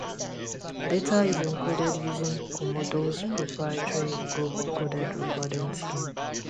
Data is encoded using Commodore's proprietary group coded recording scheme.